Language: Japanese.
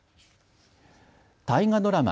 大河ドラマ